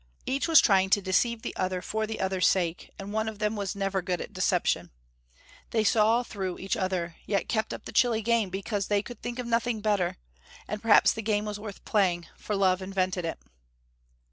Each was trying to deceive the other for the other's sake, and one of them was never good at deception. They saw through each other, yet kept up the chilly game, because they could think of nothing better, and perhaps the game was worth playing, for love invented it.